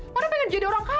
karena pengen jadi orang kaya